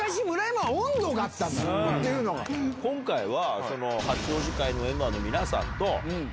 今回は。